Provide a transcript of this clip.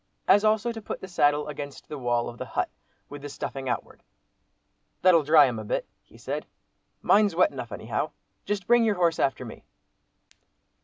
As also to put the saddle against the wall of the hut, with the stuffing outward. "That'll dry 'em a bit," he said; "mine's wet enough anyhow. Just bring your horse after me."